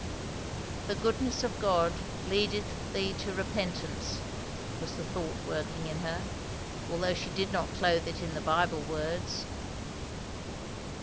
"The goodness of God leadeth thee to repentance," was the thought working in her; although she did not clothe it in the Bible words.